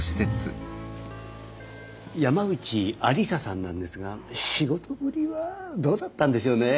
山内愛理沙さんなんですが仕事ぶりはどうだったんでしょうね？